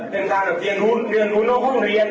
เป็นการเรียนรู้เรียนรู้นอกห้องเรียน